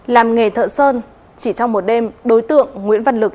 làm nghề thợ sơn chỉ trong một đêm đối tượng nguyễn văn lực